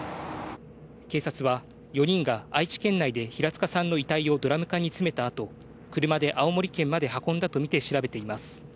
警察は４人が愛知県内で平塚さんの遺体をドラム缶に詰めた後、車で青森県まで運んだとみて調べています。